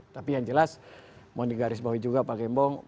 tapi yang jelas mau digaris bawah juga pak gembong